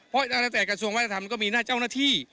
เพราะตั้งแต่กระทรวงวัฒนธรรมก็มีหน้าเจ้าหน้าที่